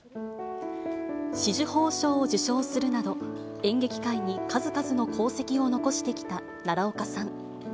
紫綬褒章を受章するなど、演劇界に数々の功績を残してきた奈良岡さん。